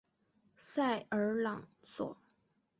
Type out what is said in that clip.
塞尔朗索。